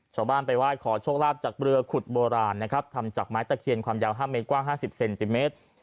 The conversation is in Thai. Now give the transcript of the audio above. ชาวบ้านไปไหว้ขอโชคลาภจากเรือขุดโบราณนะครับทำจากไม้ตะเคียนความยาว๕เมตรกว้าง๕๐เซนติเมตร